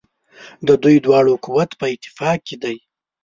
د دوی دواړو قوت په اتفاق کې دی.